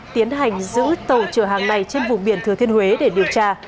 tiến hành giữ tàu chở hàng này trên vùng biển thừa thiên huế để điều tra